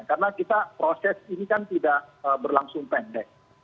karena kita proses ini kan tidak berlangsung pendek